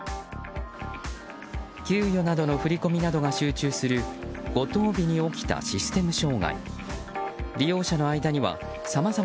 給与などの振り込みなどが集中する５・１０日に起きたあと１周！